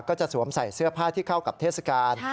จะสวมใส่เสื้อผ้าที่เข้ากับเทศกาล